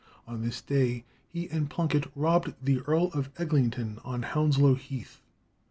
On this day he and Plunkett robbed the Earl of Eglinton on Hounslow Heath.